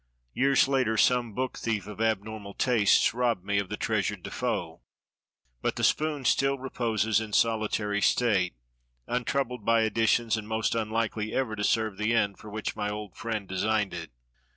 Years later some book thief of abnormal tastes robbed me of the treasured De Foe, but the spoon still reposes in solitary state, untroubled by additions, and most unlikely ever to serve the end for which my old friend designed it.